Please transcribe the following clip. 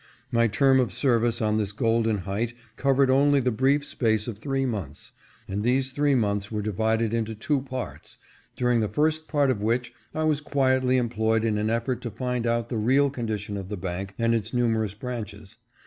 My term of service on this golden height covered only the brief space of three months, and these three months were divided into two parts, during the first part of which I was quietly employed in an effort to find out the real condition of the bank and its numerous branches.